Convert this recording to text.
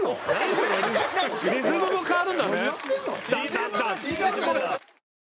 リズムも変わるんだね。